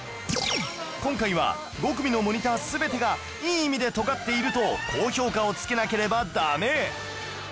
今回は５組のモニター全てがいい意味で尖っていると高評価をつけなければダメ！